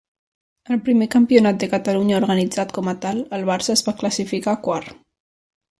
Al primer Campionat de Catalunya organitzat com a tal, el Barça es va classificar quart.